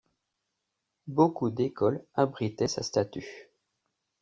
Beaucoup d'écoles abritaient sa statue.